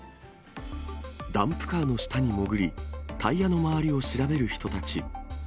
ダンプカーの下に潜り、タイヤの周りを調べる人たち。